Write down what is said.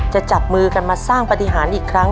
จะจับมือกันมาสร้างปฏิหารอีกครั้ง